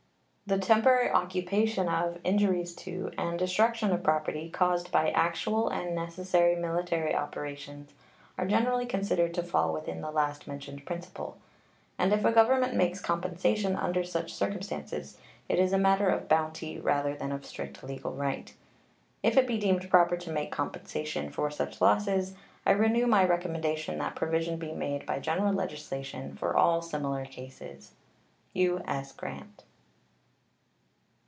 The temporary occupation of, injuries to, and destruction of property caused by actual and necessary military operations are generally considered to fall within the last mentioned principle, and if a government makes compensation under such circumstances it is a matter of bounty rather than of strict legal right. If it be deemed proper to make compensation for such losses, I renew my recommendation that provision be made by general legislation for all similar cases. U.S. GRANT.